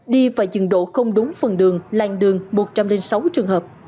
đi và dừng độ không đúng phần đường lành đường một trăm linh sáu trường hợp